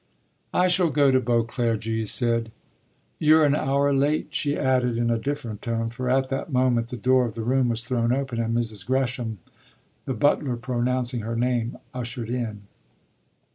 "I shall go to Beauclere," Julia said. "You're an hour late," she added in a different tone; for at that moment the door of the room was thrown open and Mrs. Gresham, the butler pronouncing her name, ushered in.